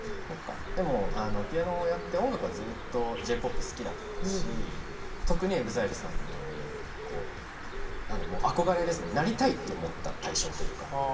でもピアノをやって音楽はずっとＪ−ＰＯＰ好きだったし特にＥＸＩＬＥさんに何だろうもう憧れですねなりたいって思った対象というか。